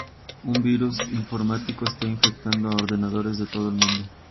Un virus informático está infectando a ordenadores de todo el mundo.